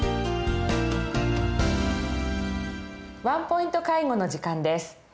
「ワンポイント介護」の時間です。